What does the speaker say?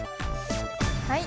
はい！